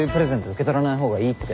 受け取らないほうがいいって。